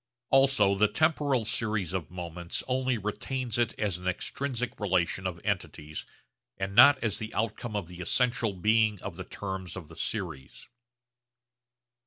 Also the temporal series of moments only retains it as an extrinsic relation of entities and not as the outcome of the essential being of the terms of the series.